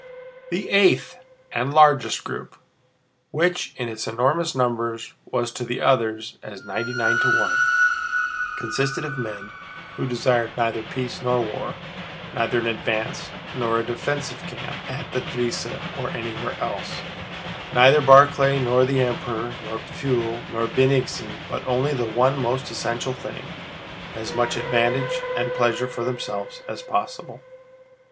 The eighth and largest group, which in its enormous numbers was to the others as ninety nine to one, consisted of men who desired neither peace nor war, neither an advance nor a defensive camp at the Drissa or anywhere else, neither Barclay nor the Emperor, neither Pfuel nor Bennigsen, but only the one most essential thing—as much advantage and pleasure for themselves as possible.